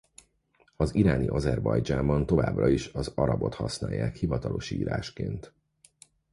Az iráni Azerbajdzsánban továbbra is az arabot használják hivatalos írásként.